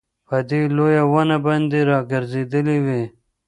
په دې لويه ونه باندي راګرځېدلې وې